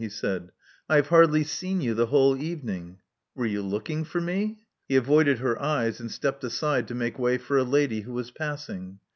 he said. I have hardly seen you the whole evening." Were you looking for me?" He avoided her eyes, and stepped aside to make way for a lady who was passing.